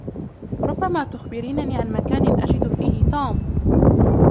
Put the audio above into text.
ربّما تخبرينني عن مكانٍ أجد فيه توم.